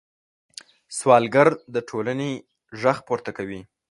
سوالګر د ټولنې غږ پورته کوي